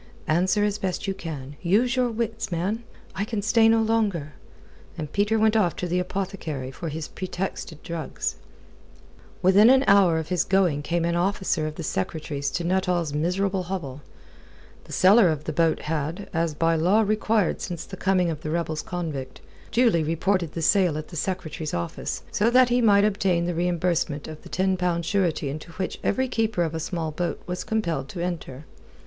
"Answer as best you can. Use your wits, man. I can stay no longer." And Peter went off to the apothecary for his pretexted drugs. Within an hour of his going came an officer of the Secretary's to Nuttall's miserable hovel. The seller of the boat had as by law required since the coming of the rebels convict duly reported the sale at the Secretary's office, so that he might obtain the reimbursement of the ten pound surety into which every keeper of a small boat was compelled to enter.